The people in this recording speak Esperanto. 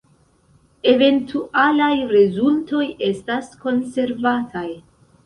Eventualaj rezultoj estas konservataj.